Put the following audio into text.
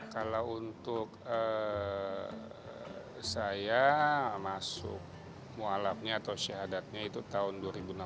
kalau untuk saya masuk mualafnya atau syahadatnya itu tahun dua ribu enam belas